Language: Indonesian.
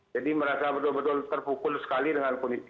jadi merasa betul betul terpukul sekali dengan kondisi ini